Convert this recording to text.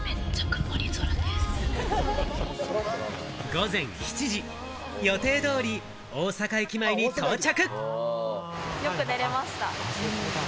午前７時、予定通り、大阪駅前に到着。